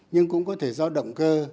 nhưng cũng có thể do động cơ